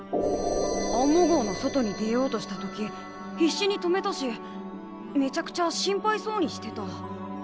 アンモ号の外に出ようとした時必死に止めたしめちゃくちゃ心配そうにしてた。